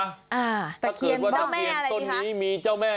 อ่าตะเคียนบ้านถ้าเกิดว่าตะเคียนต้นนี้มีเจ้าแม่